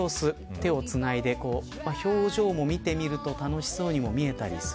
手をつないで、表情も見てみると楽しそうにも見えたりする。